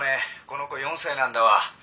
この子４歳なんだわ。